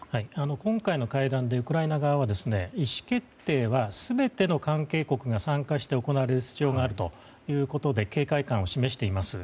今回の会談でウクライナ側は、意思決定は全ての関係国が参加して行われる必要があるということで警戒感を示しています。